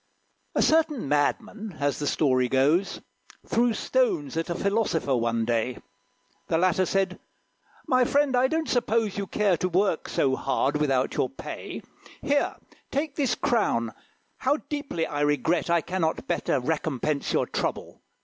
A Certain Madman, as the story goes, Threw stones at a Philosopher, one day. The latter said, "My friend, I don't suppose You care to work so hard, without your pay. Here, take this crown; how deeply I regret I cannot better recompense your trouble!